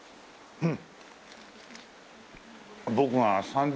うん。